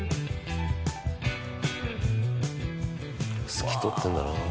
「透きとおってんだな」